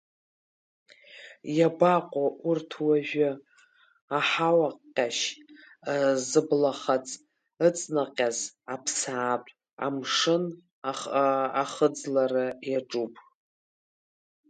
Иабаҟоу урҭ уажәы, аҳауаҟьашь зыблахаҵ ыҵнаҟьаз аԥсаатә амшын ахыӡлара иаҿуп.